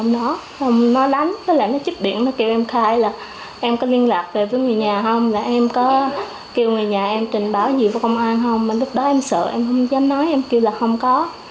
người mẹ này khóc